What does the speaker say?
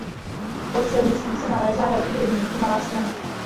Pod silnicí se nalézá další rybník Malá strana.